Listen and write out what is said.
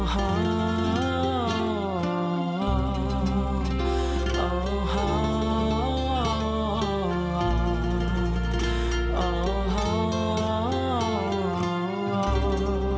โหโหโห